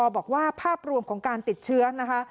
บอกว่าภาพรวมของการติดเชื้อนะคะ